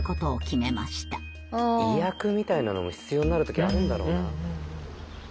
意訳みたいなのも必要になる時あるんだろうなあ。